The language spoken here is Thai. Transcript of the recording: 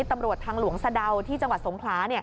ตำรวจทางหลวงสะดาวที่จังหวัดสงขลา